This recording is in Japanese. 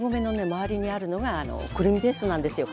周りにあるのがくるみペーストなんですよ